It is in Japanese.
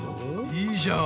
いいじゃん。